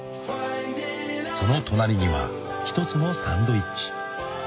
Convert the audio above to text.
［その隣には一つのサンドイッチ］